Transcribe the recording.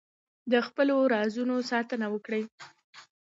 د خپلو رازونو ساتنه وکړئ.